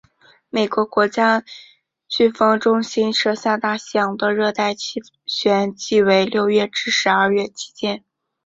美国国家飓风中心设下大西洋的热带气旋季为六月至十二月期间。